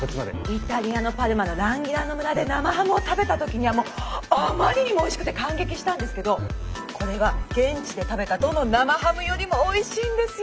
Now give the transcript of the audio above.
イタリアのパルマのランギラーノ村で生ハムを食べた時にはもうあまりにもおいしくて感激したんですけどこれは現地で食べたどの生ハムよりもおいしいんですよ！